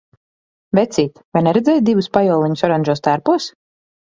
Vecīt, vai neredzēji divus pajoliņus oranžos tērpos?